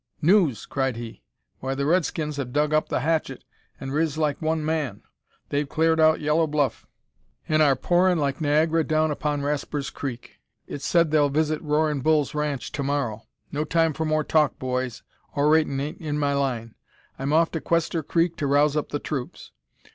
"`News!' cried he, `why, the Redskins have dug up the hatchet an' riz like one man. They've clar'd out Yellow Bluff, an' are pourin' like Niagara down upon Rasper's Creek. It's said that they'll visit Roarin' Bull's ranch to morrow. No time for more talk, boys. Oratin' ain't in my line. I'm off to Quester Creek to rouse up the troops.'